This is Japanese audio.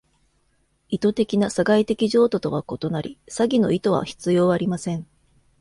意図的な詐害的譲渡とは異なり、詐欺の意図は必要ありません。